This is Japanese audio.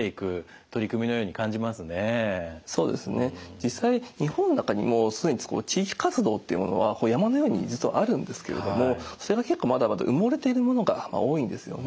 実際日本の中にもう既に地域活動っていうものは山のように実はあるんですけれどもそれが結構まだまだ埋もれているものが多いんですよね。